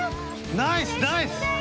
ナイスナイス！